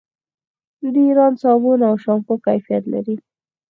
د ایران صابون او شامپو کیفیت لري.